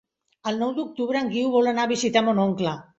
El nou d'octubre en Guiu vol anar a visitar mon oncle.